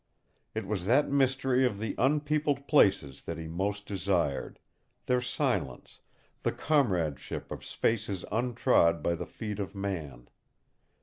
It was that mystery of the unpeopled places that he most desired, their silence, the comradeship of spaces untrod by the feet of man.